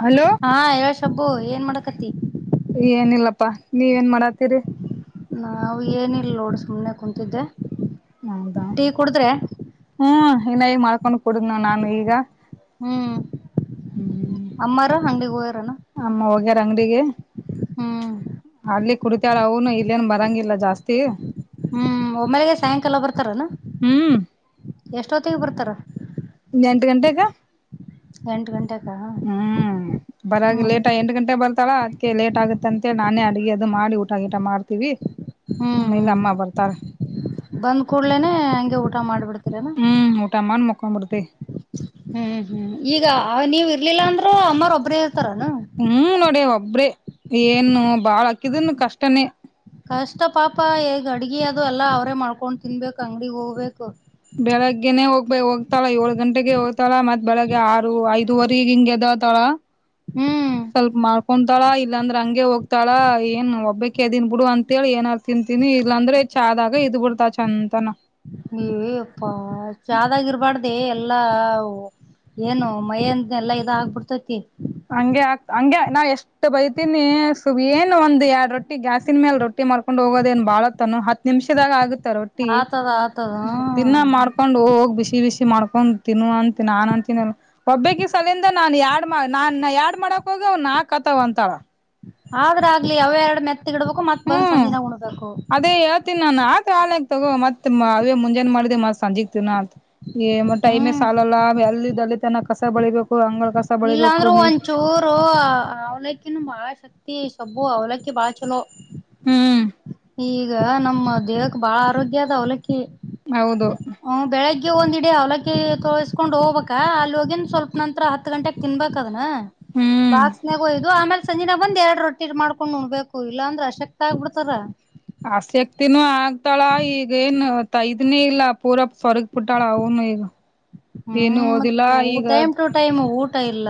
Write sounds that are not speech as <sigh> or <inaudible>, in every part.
Hello ಹಾ ಹೇಳು ಶಬ್ಬು ಏನ್ ಮಾಡಕತಿ ಏನಿಲ್ಲಪ್ಪಾ ನೀವೇನ್ ಮಾಡತ್ತೀರಿ ನಾವು ಏನಿಲ್ಲ ನೋಡ್ ಸುಮ್ಮನೆ ಕುೂಂತಿದ್ದೆ ಹೌದಾ ಹ್ಮ್ ಇನ್ನ ಇಲ್ಲ ಮಾಡಕ ಬಂದ ಕುಡುದ ನಾನು ಈಗ ಹ್ಮ್ ಹ್ಮ್ ಅಂಗಡಿಗಿ ಹೋಗ್ಯಾರ ಏನ ಅಮ್ಮ ಹೋಗ್ಯಾರ ಅಂಗಡಿಗೆ ಹ್ಮ್ ಅಲ್ಲಿ ಕುಡಿತಾಳ ಅವನು ಇಲ್ಲೇನ್ ಬರಂಗಿಲ್ಲ ಜಾಸ್ತಿ ಹ್ಮ್ ಒಮ್ಮೆಲೆ ಸಾಯಂಕಾಲ ಬರ್ತಾರನು ಹ್ಮ್ ಎಷ್ಟ ಹೊತ್ತಿಗೆ ಬರ್ತಾರ ಎಂಟ ಗಂಟೆಗ ಎಂಟು ಗಂಟೆಕ ಹ್ಮ್ ಬರಗ ಹ್ಮ್ ಲೇಟ ಎಂಟ ಗಂಟೆ ಬಂದ ಸ್ಥಳ ಅದ್ಕ್ಕೆ ಲೇಟ್ ಆಗುತ್ತ ಅಂತೇಳಿ ನಾನೇ ಅಡಗೆ ಅದು ಮಾಡಿ ಊಟ ಗೀಟ ಮಾಡ್ತೀವಿ ಹ್ಮ್ ಆಮೇಲೆ ಹ್ಮ್ ಅಮ್ಮ ಬರ್ತಾರ ಬಂದ್ ಕೂಡ್ಲೇನೆ ಹಂಗೆ ಊಟ ಮಾಡ್ಬಿಡ್ತೀರನೋ. ಪ್ಪ ಹ್ಮ್ ಹ್ಮ್ ಈಗ ನೀವ ಇರ್ಲಿಲ್ಲ ಅಂದ್ರೂ ಅಮ್ಮಾರೊಬ್ಬ್ರೇ ಇರ್ತಾರನು. ಹ್ಮ ನೋಡಿ ಒಬ್ರೇ ಏನು ಬಾಳ್ ಹಾಕಿದನ್ ಕಷ್ಟನೇ ಕಷ್ಟ ಪಾಪ ಈಗ ಅಡ್ಗೆ ಅದು ಎಲ್ಲ ಅವ್ರೇ ಮಾಡ್ಕೊಂಡು ತಿನ್ಬೇಕು ಅಂಗ್ಡಿಗೆ ಹೋಗ್ಬೇಕು ಬೆಳಗ್ಗೆನೆೇ ಹೋಗ್ಬ ಹೋಗ್ತಾಳ ಏಳ ಗಂಟೆಗೆ ಹೋಗ್ತಾಳ ಮತ್ ಬೆಳಗ್ಗೆ ಆರು ಐದುವರೆಗೆ ಹಿಂಗಗೆ ಎದತಾಳ. ಹ್ಮ್. ಸ್ವಲ್ಪ ಮಾಡ್ಕೊತಾಳ ಇಲ್ಲಾಂದ್ರೆ ಹಂಗೆ ಹೋಗ್ತಾಳ ಏನ್ ಒಬ್ಬಕ್ಕೆದನ್ ಬಿಡು ಅಂತೇಳಿ ಏನ್ರ್ ತಿನ್ಂತೀನಿ ಇಲ್ಲಾಂದ್ರೆ ಚ ಆದಾಗ ಇದ್ ಬಿಡ್ತಾ ಚಂದನ. ಏ ಯಪ್ಪಾ ಚಾದಾಗ ಇರಬಾರಡದ ಏ ಎಲ್ಲಾ ಏನು ಮೈಯಂದ ಎಲ್ಲಾ ಇದ ಆಗ್ಬಿಡ್ತೈತಿ ಹಂಗೆ ಆ ಹಂಗೆ ನಾ ಎಷ್ಟು ಬೈತೀನಿ ಸು ಏನ್ ಒಂದ್ ಎರಡ್ ರೊಟ್ಟಿ ಗ್ಯಾಸನ್ ಮೇಲ್ ರೊಟ್ಟಿ ಮಾಡ್ಕೊಂಡು ಹೋಗೋದೇಏನ್ ಬಾಳ ಹೊತ್ತನು ಹತ್ ನಿಮಿಷದಾಗ ಆಗುತ್ತ ರೊಟ್ಟಿ ಆತದ ಆತದ ದಿನ್ನಾ ಮಾಡ್ಕೊಂಡ್ ಹೋಗ್ ಬಿಸಿ ಬಿಸಿ ಮಾಡ್ಕೊಡ್ ತಿನ್ನುವಂತಿ ಅಂತ ನಾನ್ ಅಂತಿನಲ್ಲ ಒಬ್ಬಕಿ ಸಲಂದೇ ನಾನ್ ಎರಡ ನಾನ್ ಎಡ್ ಮಾಡಕ್ ಹೋಗವ್ ನಾ ಕತಾವ ಅಂತಾಳ ಆದ್ರ ಆಗ್ಲಿ ಅವ ಎರಡು ಮೆತ್ ಮತ್ತಗಿಡಬೇಕು ಮತ್ ಬಂದ್ ಸಂಜಿನಗ ಉಣಬೇಕು ನಾನನ್ ಆತ ಹಾಕ್ ತಗೋ ಮತ್ ಅದೇ ಮುಂಜೆನ್ ಮಾಡಿದೆ ಮತ್ ಸಂಜೆಗ್ ತಿನ್ನಲ. ಏ ಮ ಟೈಮೆ ಹ್ಮ್ ಸಾಲಲ್ಲ ಅಲ್ಲಿಲ್ಲಿ ತನಕ ಕಸ ಬಳಿಬೇಕು. ಅಂಗಳ ಕಸ ಇಲ್ಲ ಬಳಿಬೇಕು ಅಂದ್ರರು ನೀ ಒಂದಚೂರು ಅವಲಕ್ಕಿನು ಬಾಳ ಶಕ್ತಿ ಸಬ್ಬು ಅವಲಕ್ಕಿ ಬಾ ಚಲೋ. ಹ್ಮ್ ಈಗ ನಮ್ಮ ದೇಹಕ್ಕೆ ಬಹಳ ಆರೋಗ್ಯ ಅದ ಅವಲಕ್ಕಿ ಹೌದು. ಹ್ಮ ಬೆಳಗ್ಗೆ ಒಂದ್ ಇಡೀ ಅವಲಕ್ಕಿ ತೊಸ್ಕೊಂಡ್ ಹೋಗ್ಬೇಕ ಅಲ್ಲಿ ಹೋಗಿನ್ ಸ್ವಲ್ಪ್ ನಂರ ಹತ್ತು ಗಂಟೆ ತಿನ್ಬೇಕ ಅದನ. ಹ್ಮ್ ಬಾಕ್ಸ್ನಾಗ್ ಇದು ಆಮೇಲೆ.. ಸಂಜೆಿನ ಬಂದ್ ಎರಡ್ ರೊಟ್ಟಿರ್ ಮಾಡ್ಕೊಂಡ್ ನೋಡ್ಬೇಕು ಇಲ್ಲಾಂದ್ರೆಸಕ್ತ ಆಗ್ಬ ಬಿಡ್ತಾರ. ಆಸ ಆಕ್ತಿನೂ ಆಗ್ತಾಳ ಈಗ ಏನು ತೈದನಿ ಇಲ್ಲ ಪೂರಾ ಸರ್ಗ್ ಪುಟ್ಟಾಳ ಅವನು ಈಗ. ಏನು ಹ್ಮ್ ಓದಿಲ್ಲ ಈಗ. ಟ ಇಲ್ಲ.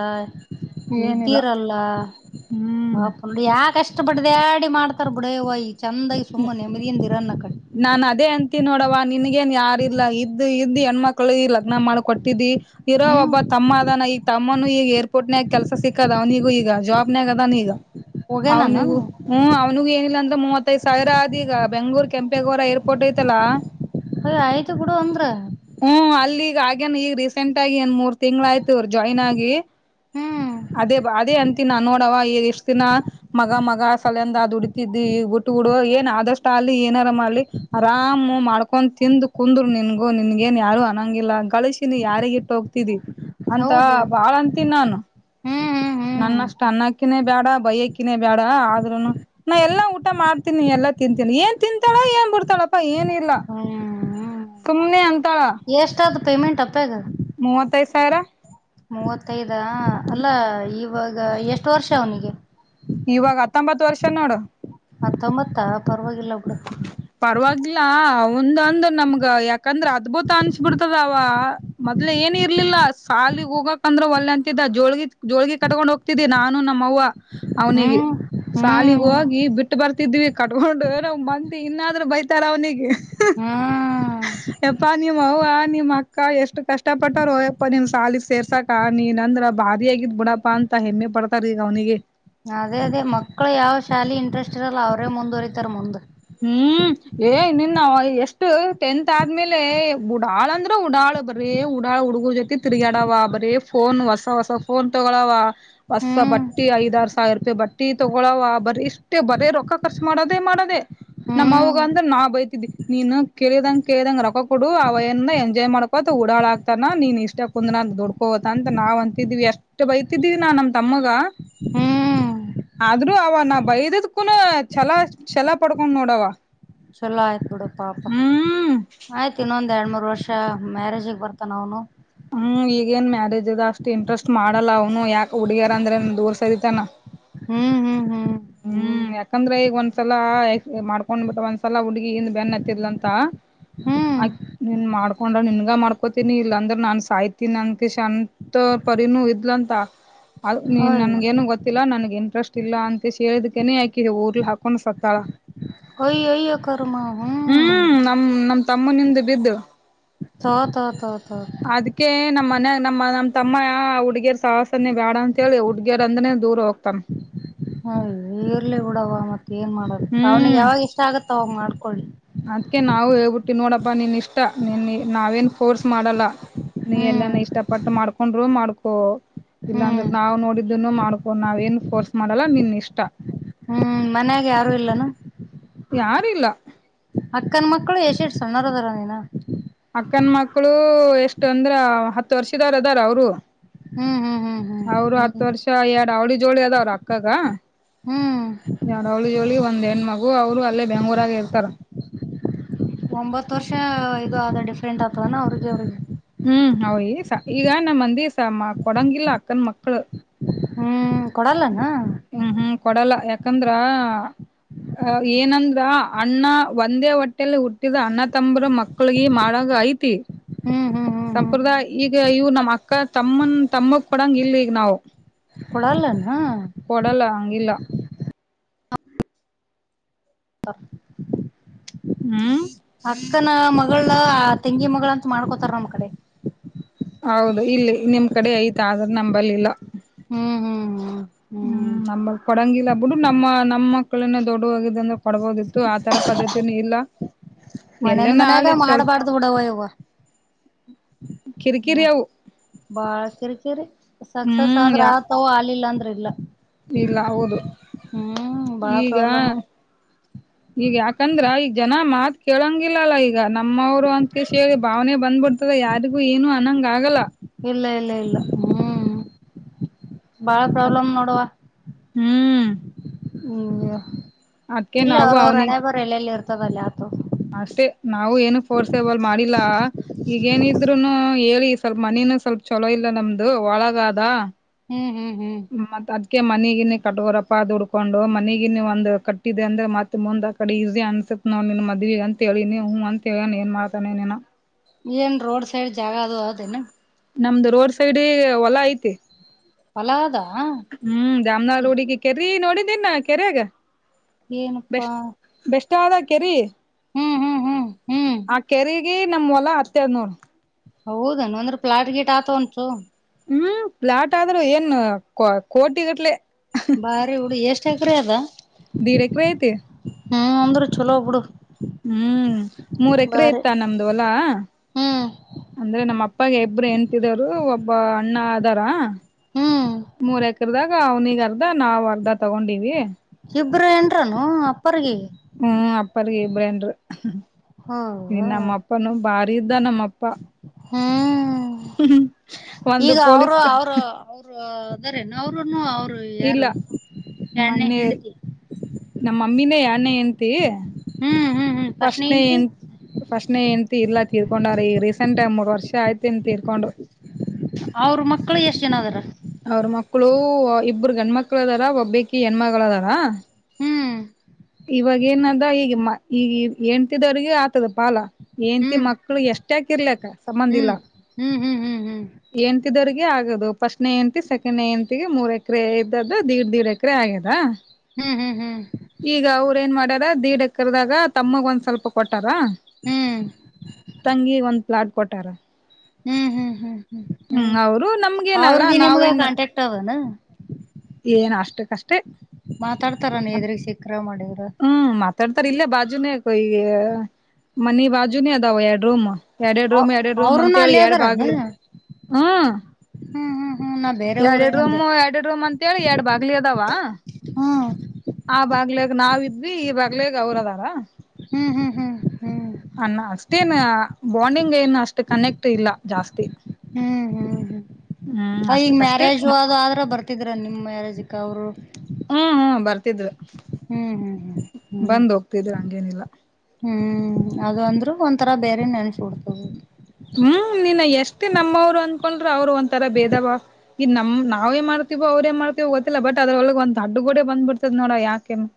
ಏನಿಲ್ಲ ನಿದ್ದಿರಲ್ಲ ಹ್ಮ್ <unintelligible> ಯಾಕಷ್ಟ ಇಷ್ಟಪಟ್ಟ್ದ ಆಡಿ ಮಾಡ್ತಾರ ಬಿುಡವಯ್. ಚಂದೈ ಸುಮ್ಮ ನೆಮ್ಮಿಯಿಂದ ಇರು. <inaudible> ನಾನ್ ಅದೇ ಅಂತಿ ನೋಡವ ನಿನ್ಗೇನ್ ಯಾರಿಲ್ಲ ಇದ್ದ ಇದ್ದ್ ಹೆಣ್ಮಕ್ಳು ಲಗ್ನ ಮಾಡಕ ಕೊಟ್ಟಿದ್ದಿ. ಇರೋ ಹ್ಮ್ ಒಬ್ಬ ತಮ್ಮ ಅದಾನ. ತಮ್ಮನು ಈಗ ಏರ್ಪೋರ್ಟ್ನ ಆಗ ಕೆಲಸ ಸಿಕ್ಕದ ಅವನಿಗ ಈಗ ಜಾಬ್ನೇ ಆಗದ ಅವನ ಈಗ. ಹೋಗ್ಯ ನಾನು ಅವನಿಗೂ ಹ್ಮ ಅವ್ನಿಗೂ ಏನಿಲ್ಲ. ಮೂವತ್ತೈಐದು ಸಾವಿರ ಆದ್ ಬೆಂಗ್ಳೂರು ಕೆಂಪೇಗೌಡ ಏರ್ಪೋರ್ಟ್ ಏತ್ತಲ್ಲಾ ಯ್ ಆಯ್ತು ಬುಡು ಅಂದ್ರ. ಹ್ಮ್ ಅಲ್ಲಿಗ ಆಗೇನ್ ಈಗ ರೀಸೆಂಟ್ ಆಗಿ ಏನ್ ಮೂರ್ ತಿಂಗ್ಳ ಆಯ್ತವರು ಜಾಯ್ನ್ ಆಗಿ ಹ್ಮ ಅದೇ ಅದೇ ಅಂತೀನ್ ನಾ ನೋಡವ ಈಗ ಎಷ್ಟ ದಿನ ಮಗ ಮಗ ಸಲಯಂದ ಅ್ ದೂಡತಿದಿ ಈ ಗುಟ್ಟ ಗುಡು ಏನ್ ಆದಷ್ಟ ಅಲ್ಲಿಲಿ ಏನಾರ ಮಾಡ್ಲಿ ಆರಾಮ ಮಾಡ್ಕೊ ತಂದು ಕುಂದ್ರು ನಿನ್ಗು ನಿನ್ಗೇನ್ ಯಾರು ಅನ್ನಂಗಿಲ್ಲ ಗಳಿಸಿಿನ ಯಾರಿಗ ಇಟ್ಟ ಹೋಗ್ತಿದಿ ಅಂತ ಹೌದು ಬಾಳ ಅಂತೀನ್ ನಾನು ಹ್ಮ್ ಹ್ಮ್ ನನ್ನ ಹ್ಮ್ ಅಷ್ಟು ಅನ್ನ ಕೇ ಬೇಡ ಬೈಕಿನೇ ಬೇಡ ಆದ್ರರುನು ನಾ ಎಲ್ಲಾ ಊಟ ಮಾಡ್ತೀನಿ ಎಲ್ಲಾ ತಿಂತೀನಿ ಏನ್ ತಿಂತಾಳಾ ಏನ್ ಬಿಡ್ತಾಳಪ್ಪಾ ಏನ್ ಇಲ್ಲ ಹ್ಮ್ ಹ್ಮ್ ಸುಮ್ನೆ ಅಂತಾಳ ಎಷ್ಟಾದ ಪೇಮೆಂಟ್ ಮೂವತ್ತೈದ ಸಾವಿರ ಮೂವತ್ತೈಐದು ಹ ಅಲ್ಲಾ ಇವಾಗ ಎಷ್ಟು ವರ್ಷ ಅವನಿಗೆ ಇವಾಗ ಹತ್ತೊಂಬತ್ತು ವರ್ಷ ನೋಡು ಹತ್ತೊಂಬತ್ತ ಪ ಪರವಾಗಿಲ್ಲ ಒಂದಂದ ನಮ್ಗ ಯಾಕಂದ್ರ ಅದ್ಭುತ ಅನ್ಸ್ಬಿಡ್ತದ ಅವ ಮೊದ್ಲೆ ಏನ್ ಇರ್ಲಿಲ್ಲ ಸಾಲಗ್ ಹೋಗಕಂದ್ರ ಒಳ್ಳೆ ಅಂತಿದ್ದ ಜೋಳಗಿ ಜೋಳ್ಗಿ ಕಟ್ಕೊಂಡ್ ಹೋಗ್ತಿದ್ದಿ ನಾನು ನಮ್ಮ ಅವವ್ವ ಹ್ಮ್ ಹ್ಮ್ ಸಾಲಿಗೆ ಹೋಗಿ ಬಿಟ್ಟ ಬರ್ತಿದ್ವಿ ಕಟ್ಕೊಂಡು ಬಂತಿ ಇನ್ನಾದ್ರೂ ಬೈತಾರ ಅವನಿಗೆ ಹ್ಮ ಎಪ್ಪ ನೀವ ಅವ್ವ ನೀಮ್ ಅಕ್ಕ ಎಷ್ಟು ಕಷ್ಟ ಪಟ್ಟಾರಯ್ಯಪ್ಪ ನಿಮ್ ಸಾಲಿಗೆ ಸೇರ್ಸಾಕ ನೀನಂದ್ರ ಭಾರಿ ಆಗಿದ್ ಬಿಡಪ್ಪಾ ಅಂತ ಹೆಮ್ಮೆ ಪಡ್ತಾರ ಈಗ ಅವ್ನಿಗೆ ಅದೇ ಅದೇ ಮಕ್ಳ ಯಾವ್ ಶಾಲೆ ಇಂಟ್ರೆಸ್ಟ್ ಇರಲ್ಲ ಅವ್ರೇ ಮುಂದುವರಿತಾರ ಮುಂದ್ ಹ್ಮ್ ಏನು ಇಲ್ಲ ಎಷ್ಟ ಟೆಂತ್ ಆದ್ಮೇಲೆ ಉಡಾಳ ಅಂದ್ರ ಉಡಾಳು ಬರ್ರಿ ಉಡಾಳ್ ಹುಡ್ಗ ಜೊತಿ ತಿರ್ಗಾಡವ ಬರೀ ಫೋನ್ ಹೊಸ ಹೊಸ ಫೋನ್ ತಗೋಳವ ಹೊಸ ಹ್ಮ್ ಬಟ್ಟಿ ಐದ್ ಆರ್ ಸಾವಿರ ರೂಪಾಯಿ ಬಟ್ಟಿ ತಗೊಳವ ಬರಿ ಇಷ್ಟೇ ಬರೀ ರೊಕ್ಕ ಖರ್ಚು ಮಾಡೋದೇ ಮಾಡೋದೆೇ ನಮ್ಮ ಹ್ಮ್ ಅವ್ವಗೇ ಅಂದ್ರೆ ನಾವ್ ಬೈತಿದ್ ನೀನು ಕೇಳಿದಂಗ ಕೇಳಿದಂಗ ರೊ ಕೊಡು ಅವನ ಎಂಜಾಯ್ ಮಾಡ್ಕೋತ ಓಡಾಳ ಆಕ್ತಾನ ನೀನ್ ಇಷ್ಟ ಕುಂದ ನ ದುಡ್ಕೋತ ಅಂತ ನಾವ್ ಅಂತಿದ್ವಿ ಎಷ್ಟ್ ಬೈತಿದೀವಿ ನಾ ನಮ್ ತಮ್ಮಗ ಹ್ಮ್ ಆದ್ರೂ ಅವನ ಬೈದದಕೂ ಚಲ ಚಲ ಪಡ್ಕೊಂಡ್ ನೋಡವ ಚಲೋ ಆಯ್ತು ಬಿಡು ಪಾಪ ಹ್ಮ್ ಆಯ್ತು ಇನ್ನೊಂದು ಒಂದುಎರಡು ಮೂರು ವರ್ಷ ಮ್ಯಾರೇಜಗೆ ಬರ್ತಾನ ಅವನು ಹ್ಮ್ ಈಗೇನ್ ಮ್ಯಾರೇಜ್ ಆದ ಅಷ್ಟ್ ಇಂಟ್ರೆಸ್ಟ್ ಮಾಡಲ್ಲ ಅವ್ನು ಯಾಕ ಹುಡುಗ್ಯಾರ ಅಂದ್ರೆ ದೂರ್ ಸರಿತಾನ ಹ್ಮ ಹಾ ಹಾ ಹ್ಮ್ ಯಾಕಂದ್ರ ಈಗ ಒಂದ್ಸಲ ಮಾಡ್ಕೊಂಡ್ ಬಿಟ್ಟ ಒಂದ್ಸಲ ಹುಡ್ಗಿ ಇಂದ ಬೆನ್ ಹತ್ತಲಂತ ಹ್ಮ್ ಹ್ಮ್ ಆ ನೀನ್ ಮಾಡ್ಕೊಂಡ ನಿನ್ಗ ಮಾಡ್ಕೊತನಿ ಇಲ್ಲ ಅಂದ್ರ ನಾನ್ ಸಾಯ್ತೀನಿ ಅಂದಕ ಶ ಅಂತ ಪರಿನೂ ಇದ್ಲಂತ ಅ ನೀ ನನ್ಗ ಏನು ಗೊತ್ತಿಲ್ಲ ನನ್ಗೆ ಇಂಟ್ರೆಸ್ಟ್ ಇಲ್ಲ ಅ ಹೇಳದಕನೆ ಹಾಕಿ ಊರ್ಲ್ ಹಾಕೊಂಡ್ ಸತ್ತಾಳ ಒಯ್ಯೋ ಒಯ್ಯೋ ಕರ್ಮ ಹ್ಮ. ತಮ್ಮ ನಿಂದು ಬಿದ್ದು. ತೋ ತೋ ತೋ. ತೋ ಅದಕ್ಕೆ ನ. ನಮ್ಮ ಮನ್ಯಾಗ ನಮ್ಮ ನಮ್ ತಮ್ಮ ಹ ಹುಡ್ಗರ್ ಸಾಹಸನೇ ಬೇಡ ಅಂತ ಹೇಳಿ ಹುಡ್ಗೀರ್ ಅಂದ್ರೆ ದೂರ ಹೋಗ್ತಾನ. ಆಯೋ. ಇರ್ಲಿ ಬಿಡವ ಮತ್ತ ಏನ್ ಮಾಡದು ಅವ್ನಿಗೆ ಯಾವಾಗ ಇಷ್ಟ ಆಗುತ್ತೆ. ತೋಂಗಾಡ್ಕೋೊಳ್ಳಿ.. ಅದ್ಕ ನಾವು ಹೇಳ್ಬಿಟ್ಟಿ ನೋಡಪ್ಪಾ ನೀನ್ ಇಷ್ಟ ನಿನ್ನ ನಾವೇನ್ ಫೋರ್ಸ್ ಮಾಡಲ್ಲ. ನೀ ಎಲ್ಲ ಹ್ಮ್ ಇಷ್ಟಪಟ್ಟು ಮಾಡ್ಕೊ. ಹಕೊಂಡ್ರರು ಮಾಡ್ಕೊ ಹ್ಮ್ ಇಲ್ಲಾಂದ್ರೆ ನಾವ್ ನೋಡಿದನು ಮಾಡ್ಕೊ ನಾವೇಏನ್ ಫೋರ್ಸ್ ಮಾಡಲ್ಲ ನಿನ್ ಇಷ್ಟ. ಹ್ಮ್ ಮನ್ಯಾಗೆ ಯಾರು ಇಲ್ಲನ. ಯಾರಿಲ್ಲ. ಅಕ್ಕನ ಮಕ್ಕಳು ಎಷ್ಟ ಎಷ್ಟ ಸಣ್ಣಾರದರ ನೀನ. ಅಕ್ಕನ್ ಮಕ್ಳು ಎಷ್ಟ ಅಂದ್ರ ಹತ್ತು ವರ್ಷದವಾರ ಅದಾರ ಅವರು. ಹ್ಮ ಹ್ಮ. ಅವರು ಹತ್ತು ವರ್ಷ ಎರಡ್ ಅವಳ. ಜೋಳಿ ಅ ಆದ ಅವ್ರ ಅಕ್ಕಾಗ. ಹ್ಮ್ ಎರೆಡು ಅವಳ ಜೋಳಿ. ಒಂದ್ ಹೆಣ ಮಗು ಅವ್ರು ಅಲ್ಲೇ ಬೆಂಗಳೂರಾಗ ಇರ್ತಾರ. ಒಂಬತ್ ವರ್ಷ ಇದು ಆದ ಡಿಫ್ರೆಂಟ್ ಆಗ್ತದಾನ ಅವ್ರಿಗೆ ಅವ್ರಿಗೆ. ಹ್ಮ್ ಅವಯಿ ಈಗ ನಮ್ಮ ಮಂದಿ ಕೊಡಂಗಿಲ್ಲ ಅಕ್ಕನ್ ಮಕ್ಳು. ಹ್ಮ್ ಕೊಡಲ್ಲನು. ಹ್ಮ್ ಹ್ಮ್ ಕೊಡಲ್ಲ ಯಾಕಂದ್ರ ಏನಂದ್ರ ಅಣ್ಣ ಒಂದೇ ಹೊಟ್ಟೇಲಿ ಹುಟ್ಟಿದ ಅಣ್ಣ ತಂಬ್ರ ಮಕ್ಳಗ ಮಾಡಾಗ ಐತಿ. ಹ್ಮ್ ಹ್ಮ್ ಹ್ಮ್ ಹ್ಮ್ ಸಂಪ್ರದಾಯ ಈಗ ಇವ ನಮ್ಮ್ ಅಕ್ಕ ತಮ್ಮನ್ ತಮ್ಮಕ್ ಪಡಂಗ ಇಲ್ ಈಗ ನಾವು. ಕೊಡಲ್ಲ ಅನು. ಕೊಡಲ್ಲ ಹಂಗಿಲ್ಲ ಹ. ಹ್ಮ್. ಅಕ್ಕನ ಮಗಳ ತೆಂಗಿ ಮಗಳ ಅಂತ ಮಾಡ್ಕೊತಾರ ನಮ ಕಡೆ. ಹೌದು ಇಲ್ಲಿ ನಿಮ್ ಕಡೆ ಐತ ಆದ್ರೆ ನಂಬಲ್ಲಿಲ್ಲ. ಹ್ಮ್ ಹ್ಮ್ ಹ್ಮ್. ಹ್ಮ್ ನಮ್ಮಗ್ ಕೊಡಂಗಿಲ್ಲ ಬಿಿಡು ನಮ್ಮ ನಮ್ಮ ಮಕ್ಳನ ದೊಡ್ಡ ಹೋಗಿದ ಅಂದ್ರ. ಪಡಬೋದು. ಮನೇಂದ ಎಲ್ಲನ ಮನ್ಯಾಗ ಆಲಿ ಚೊಲ್ ಮಾಡಬಾರ್ದು ಬಿಡವ ಇವ. ಹ ಕಿರಿಕಿರಿ ಅವು ಬಾಳ್ ಕಿರಿ ಕಿರಿ ಸಕ್ಸಸ್ ಹ್ಮ್ ಆದ್ರ ಯಾ ಆತ ಆಲಿಲ್ಲ ಅಂತ. ಇಲ್ಲ. ಇಲ್ಲ ಹೌದು ಹ್ಮ್ ಬಾಳ ಈಗ ಪ್ರಾಬ್ಲಮ್ ಈಗ ಯಾಕಂದ್ರ ಈಗ. ಜನ ಮಾತು ಕೇಳಂಗಿಲ್ಲಲ್ಲ ಈಗ ನಮ್ಮವರು ಅಂತ ಕ ಹೇಳಿ ಭಾವನೆ ಬಂದ್ಬಿಡ್ತದ ಯಾರಿಗೂ ಏನು ಅನ್ನಂಗ ಆಗಲ್ಲ. ಇಲ್ಲ ಇಲ್ಲ ಇಲ್ಲ ಹ್ಮ್. ಬಾಳ ಅದ್ ಪ್ರಾಬ್ಲಮ್ ನೋಡವಾ ಹ್ಮ್ <unintelligible> ಅದ್ಕೆ ಇರ್ಲಿ ಅವ್ರ್ ಅವ್ರ್ ಹಣೆಬರಹ ಎಲ್ಲೆಲ್ಲಿ ಇರತ್ತ್ ತವಲ್ಲ ಅಷ್ಟೆ ನಾವು ಏನು ಫೋರ್ಸೇಬಲ್ ಮಾಡಿಲ್ಲಾ ಈಗೇನಿದ್ರುನು ಹೇಳಿ ಸ್ವಲ್ಪ್ ಮನಿನು ಸ್ವಲ್ಪ್ ಚಲೋ ಇಲ್ಲ ನಮ್ದು ಒಳಗಾದ ಹ್ಮ್ ಹ್ಮ್ ಹ್ಮ್ ಮತ್ತಾದ್ ಅದ್ಕೆ ಮನಿಗಿನಿ ಕಟ್ಕೊರಪ್ಪ ದುಡ್ಕೊಂಡು ಮನಗಿನಿ ಒಂದ್ ಕಟ್ಟಿದೆ ಅಂದ್ರೆ ಮತ್ ಮುಂದ್ ಆಕಡೆ ಈಸಿ ಅನ್ಸತ್ ನೋಡ್ ನೀನ್ ಮದ್ವಿ ಅಂತೆಳಿನಿ ಹೂಂ ಅಂತ ಹೇಳ್ಯಾನ್ ಏನ್ ಮಾಡ್ತಾನೋ ಏನೋ ಏನ್ ರೋಡ್ ಸೈಡ್ ಜಾಗ ಅದು ಹೌದೇನು ನಮ್ದು ರೋಡ್ ಸೈಡಿಗ್ ಹೊಲ ಐತಿ ಹೊಲ ಅದ ಹ್ಮ್ ಜಾಮನಗರ ಹುಡುಗಿಕ್ ಅದ ಕೀ ನೋಡಿದಿನ್ ನಾ ಕೆರ್ಯಾಗ ಏನಪ್ಪಾ ಬೆಸ್ಟ್ ಬೆಸ್ಟ್ ಆದ ಕೆರಿ ಹ್ಮ್ ಹ್ಮ್ ಹ್ಮ್ ಹ್ಮ್ ಆ ಕೆರೆ ಏ ನಮ್ ಹೊಲ ಅಷ್ಟೇ ಅದ್ ನೋಡ್ ಹೌದೇನಾ ಅಂದ್ರೆ ಪ್ಲಾಟ್ ಗೀಟ್ ಆತ ಒಂಚೂರ್ ಹ್ಮ್ ಪ್ಲಾಟ್ ಆದ್ರು ಏನು ಕೋಟಿಗಟ್ಲೆ ಬಾರಿ ಹುಡುಗಿ ಎಷ್ಟ್ ಚಕರಿಯದ ದೀರೆಕ್ವ ಐತಿ ಹ್ಮ್ ಅಂದರು ಚಲೋ ಬಿಡು ಹ್ಮ್ ಮೂರ್ ಎಕರೆ ಬಾರಿ ಇತ್ತ ನಮ್ದು ಹೊಲ ಹ್ಮ್ ಅಂದ್ರೆ ನಮ್ಮ ಅಪ್ಪಾಗೆ ಇಬ್ರು ಹೆಂಡ್ತಿದರು ಒಬ್ ಬ್ಬ ಅಣ್ಣ ಅದಾರ ಹ್ಮ್ ಮೂರ್ ಎಕ್ರ್ ದಾಗ್ ಈಗ ಅವ್ನಿಗ್ ಅರ್ಧ ನಾವು ಅರ್ಧ ತಗೊಂಡಿವಿ ಇಬ್ರು ಹೆಂಡ್ರೆನು ಅಪ್ಪರ್ಗೆ ಹ್ಮ ಅಪ್ಪಾರಿಗೆ ಇಬ್ರ್ ಹೆಂಡ್ರು ಹೋ ಈ ನಮ್ಮ ಅಪ್ಪನೂ ಭಾರಿ ಇದ್ದ ನಮ್ಮಪ್ಪ ಹಾ ಒಂದು ಪೊಲೀಸ್ ಇದಾರೆನ್ ಅವರುನೂ ಇಲ್ಲ ಮೊನ್ನೆ ಹೆಂಡತಿ ನಮ್ಮಮ್ಮಿನೇ ನೇ ಎಂತಿ ಹ್ಮ್ ಹ್ಮ್ ಹ್ಮ್ ಫಸ್ಟ್ ಫಸ್ಟ್ನೇ ನೇ ಹೆಂಡತಿ ಹೆನ್ ಫಸ್ಟ್ ನೇ ಹೆಂಡ್ತಿ ಇಲ್ಲ ತೀರ್ಕೊಂಡಾರ್ ಈಗ್ ರೀಸೆಂಟ್ ಆಗ್ ಮೂರ್ ವರ್ಷ್ ವರ್ಷ ಆಯ್ತೇನ್ ತೀರ್ಕೊಂಡು ಅವ್ರ ಮಕ್ಕಳು ಎಷ್ಟ್ ಜನ ಅದಾರ ಅವ್ರ ಮಕ್ಳು ಇಬ್ಬ್ರ ಗಂಡ ಮಕ್ಳ ಅದಾರ ಒಬ್ಬಕಿ ಹೆಣ್ಮಗಳಳದಾರ ಹ್ಮ್ ಇವಾಗ ಏನದ ಈಗ ಈಗ ಹೆಂಡತಿದವ್ರಿಗೆ ಆತದ ಪಾಲ ಏನ್ತಿ ಹ್ಮ್ ಮಕ್ಳು ಎಷ್ಟ ಹಕಿರ್ಲಕ್ಕ ಸಂಬಧ ಇಲ್ಲ ಹ್ಮ್ ಹ್ಮ್ ಹ್ಮ್ ಹ್ಮ್ ಹ್ಮ್ ಏನ್ಂತಿದರ್ ಆಗದು ಫಸ್ಟ್ ನೇ ಎಂತಿ ಸೆಕೆಂಡ್ ನೇ ಎಂತಿಗೆ ಮೂರ್ ಎಕರೆ ಇದ್ದದ್ದು ಧೀರ್ ದೀರ್ ಎಕರೆ ಆಗ್ಯದ ಹ್ಮ್ ಹ್ಮ್ ಹ್ಮ್ ಈಗ ಅವ್ರ ಏನ್ ಮಾಡ್ಯಾರ ದೀಡ ಎಕರದಾಗ ತಮ್ಮಗ ಒಂದ್ ಸ್ವಲ್ಪ ಕೊಟ್ಟಾರ ತಂಗಿ ಒಂದು <unintelligible> ಕೋಟಾರ ಹ್ಮ್ ಹ್ಮ್ ಹ್ಮ್ ಹ್ಮ್ ಅವರು ನಮ್ಗೇನಲ್ಲ ನಾವೇನ್ ಏನ್ ಅಷ್ಟಕ್ಕಷ್ಟೇ ಮಾತಾಡ್ತಾರ ನೀದ್ರಗ್ ಸಿಖರ ಮಾಡಿ ಇರಾ ಮಾತಾಡ್ತಾರೆ ಇಲ್ಲ ಬಾಜುನೇ ಕೊಯ ಮನಿ ಬಾಜುನೇ ಅದಾವ ಎರಡು ರೂಮ್ ಎರಡೆರ ರೂಮ್ ಎರಡ್ ರೂಮ್ ಅಂತ ಅವರುನು ಹೇಳಿ ಅಲ್ಲೇ ಎರಡ್ ಅದಾರನ ಬಾಗ್ಲು ಹ ಹ್ಮ್ ಹ್ಮ್ ಹ್ಮ್ ನಾ ಬೇರೆ ಎರಡು ರೂಮ್ ಊರೇನಂದೆ ಎರಡೆಡ್ ರೂಮ್ ಅಂತ ಹೇಳಿ ಎರಡ್ ಬಾಗ್ಲಿ ಅದಾವ ಹ್ಮ್ ಆ ಬಾಗ್ಲಿ ನಾವ ಇದ್ವಿ ಈ ಬಾಗ್ಲೇಗ್ ಅವರ ಅದಾರ ಹ್ಮ್ ಹ್ಮ್ ಹ್ಮ್ ಹ್ಮ್ ಅಣ್ಣ ಅಷ್ಟೇನ ಬಾಂಡಿಂಗ್ ಏನು ಅಷ್ಟು ಕನೆಕ್ಟ್ ಇಲ್ಲ ಜಾಸ್ತಿ ಹ್ಮ್ ಹ್ಮ್ ಹ್ಮ್ ಹ್ಮ್ ಈಗ ಅಷ್ಟಕ್ಕಷ್ಟೇ ಮ್ಯಾರೇಜು ಹ್ಮ್ ಅದು ಆದ್ರ ಬರ್ತಿದ್ರ ನಿಮ್ ಮ್ಯಾರೇಜಕ್ ಅವ್ರು ಹ್ಮ್ ಹ್ಮ್ ಬರ್ತಿದ್ವಿ ಹ್ಮ್ ಹ್ಮ್ ಹ್ಮ್ ಹ್ಮ್ ಬಂದ್ ಹೋಗ್ತಿದ್ರಿ ಹಂಗೇನಿಲ್ಲ ಹ್ಮ್ ಅದು ಅಂದ್ರು ಒಂಥರ ಬೇರೆ ನೆನ್ಸಿ ಕೊಡ್ತ ಹೋದು ಹ್ಮ್ ನೀನ್ ಎಷ್ಟೇ ನಮ್ಮವ್ರು ಅಂದಕೊಂಡ್ರ ಅವರು ಒಂಂತರ ಬೇದ ಬ ಈ ನಮ್ ನಾವೇ ಮಾಡ್ತೀವೋ ಅವ್ರೇ ಮಾಡ್ತವೋ ಗೊತ್ತಿಲ್ಲ ಬಟ್ ಅದ್ರೊಳಗ್ ಒಂದ್ ದಡ್ಡು ಗೋಡೆ ಬಂದ್ಬಿಡ್ತದ್ ನೋಡ ಯಾಕೆನು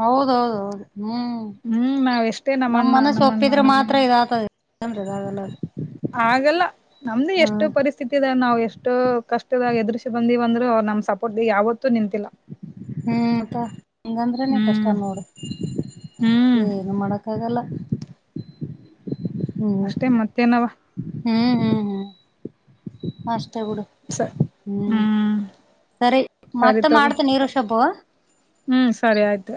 ಹೌದೌದೌದು ಹ್ಮ್ ಹ್ಮ್ ನಾವ್ ಎಷ್ಟೇ ನಮ ನಮ್ಮಣ್ಣ ಮನಸ ನಮ್ಮಣ್ಣ ಒಪ್ಪಿದ್ರೆ ಮಾತ್ರ ಇದ ಆತದೆ <unintelligible> ನಲ್ಲ ಹಾಗಲ್ಲ ನಮ್ದು ಎಷ್ಟು ಪರಿಸ್ಥಿತಿ ಇದ ನಾವ್ ಎಷ್ಟೋ ಕಷ್ಟದಾಗ ಎದ್ರರಿಸಿ ಬಂದಿವ ಒಂದ್ರ ನಮ್ ಸಪೋರ್ಟ್ ಯಾವತ್ತು ನಿಂತಿಲ್ಲ ಹ್ಮ್ ತಾ ಹಂಗಂದ್ರನೇ ಕಷ್ಟ ಹ್ಮ್ ನೋಡು ಹ್ಮ್ ಏನು ಮಾಡಕ್ಕ ಆಗಲ್ಲ <inaudible> ಹ್ಮ್ ಅಷ್ಟೆ ಮತ್ತೇನ ಅವ್ವ ಹ್ಮ್ ಹ್ಮ್ ಹ್ಮ್ ಅಷ್ಟ ಸ ಹ್ಮ್ ಹ್ಮ್ ಸರಿ ಸರಿ ಮತ್ತೆ ತಗೋ ಮಾಡ್ತನೀರು ಷಬು ಹ್ಮ್ ಸರಿ ಆಯ್ತು